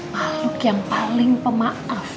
maluk yang paling pemaaf